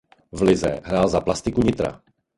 V lize hrál za Plastiku Nitra.